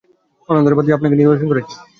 অন্যান্যদের বাদ দিয়ে আপনাকে নির্বাচন করেছি।